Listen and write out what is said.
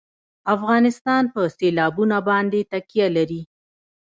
افغانستان په سیلابونه باندې تکیه لري.